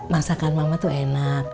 masakan mama tuh enak